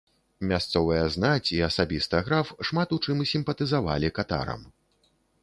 Мясцовая знаць і асабіста граф шмат у чым сімпатызавалі катарам.